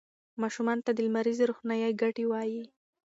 ماشومانو ته د لمریزې روښنايي ګټې ووایئ.